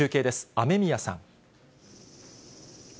雨宮さん。